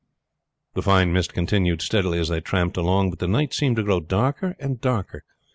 The fine mist continued steadily as they tramped along; but the night seemed to grow darker and darker.